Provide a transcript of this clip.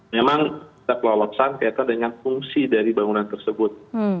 memang kita kelolosan kaitan dengan fungsi dari bangunan tersebut